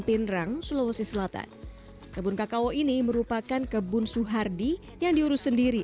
pindrang sulawesi selatan kebun kakao ini merupakan kebun suhardi yang diurus sendiri